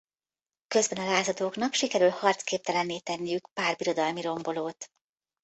Közben a lázadóknak sikerül harcképtelenné tenniük pár birodalmi rombolót.